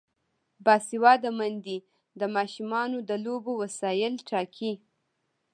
باسواده میندې د ماشومانو د لوبو وسایل ټاکي.